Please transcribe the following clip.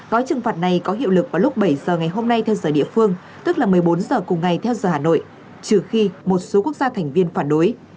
gói trừng phạt này có hiệu lực vào lúc bảy giờ ngày hôm nay theo giờ địa phương tức là một mươi bốn h cùng ngày theo giờ hà nội trừ khi một số quốc gia thành viên phản đối